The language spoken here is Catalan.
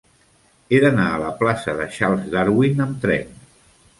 He d'anar a la plaça de Charles Darwin amb tren.